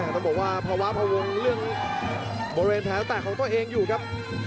ต้องบอกว่าภาวะพวงเรื่องบริเวณแผลแตกของตัวเองอยู่ครับ